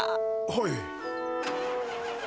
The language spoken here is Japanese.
はい。